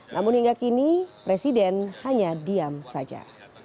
namun hingga kini presiden hanya diam saja